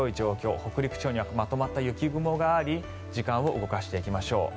北陸地方にはまとまった雪雲があり時間を動かしていきましょう。